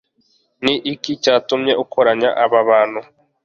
ni iki cyatumye ukoranya aba bantu